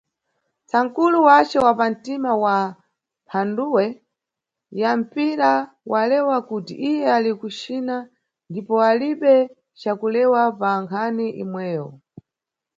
Tsankulu wace wa pa ntima wa mphanduwe ya mpira walewa kuti iye ali ku China, ndipo alibe ca kulewa pa nkhani imweyo.